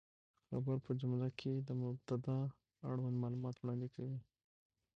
خبر په جمله کښي د مبتداء اړوند معلومات وړاندي کوي.